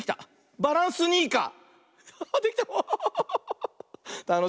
「バランスニーカー」！